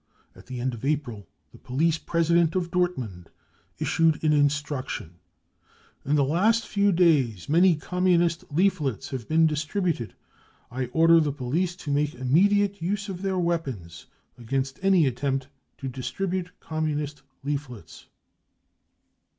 At the end of April the police president of Dortmund issued an instruction :" In the last few days many Communist leaflets have been distributed. I order the police to make immediate use of their weapons against any attempt to distribute Com munist leaflets."